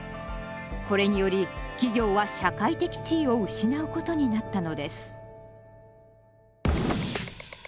これにより企業は社会的地位を失うことになったのです。